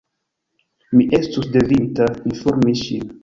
Mi estus devinta informi ŝin.